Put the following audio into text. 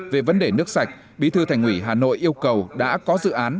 về vấn đề nước sạch bí thư thành ủy hà nội yêu cầu đã có dự án